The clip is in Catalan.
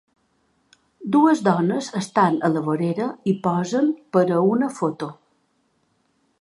Dues dones estan a la vorera i posen per a una foto.